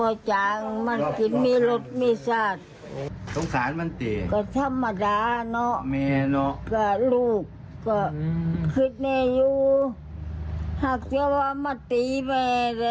โอ้คุณผู้ชมฟังคุณยายตีหัวตบหน้าจนหัวปูดไปหมด